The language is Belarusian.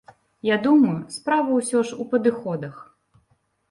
Я думаю, справа ўсё ж у падыходах.